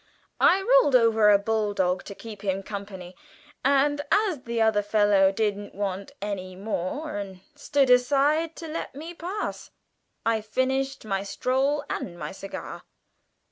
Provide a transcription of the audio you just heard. I rolled over a bull dog to keep him company, and, as the other fellow didn't want any more and stood aside to let me pass, I finished my stroll and my cigar."